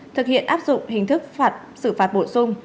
thực hiện áp dụng hình thức phạt xử phạt bổ sung